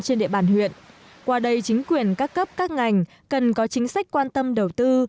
trên địa bàn huyện qua đây chính quyền các cấp các ngành cần có chính sách quan tâm đầu tư